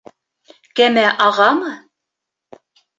Кәмә ағамы?